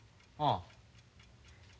ああ。